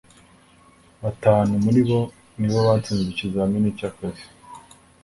batanu muri bo nibo batsinze ikizamini cya kazi